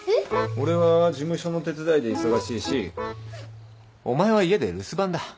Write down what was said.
俺は事務所の手伝いで忙しいしお前は家で留守番だ。